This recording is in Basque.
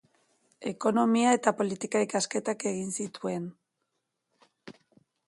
Ekonomia- eta politika-ikasketak egin zituen.